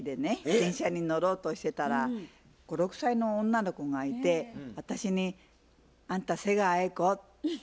電車に乗ろうとしてたら５６歳の女の子がいて私に「あんた瀬川瑛子？」って聞くんですよ。